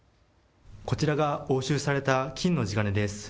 こちらが押収された金の地金です。